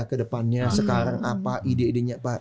kedepannya sekarang apa ide idenya pak